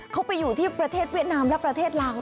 เขาไปอยู่ที่ประเทศเวียดนามและประเทศลาว